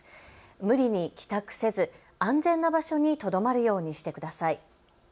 無理に帰宅せず安全な場所にとどまるようにしてください。